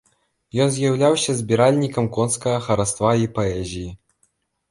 Ён з'яўляўся збіральнікам конскага хараства і паэзіі.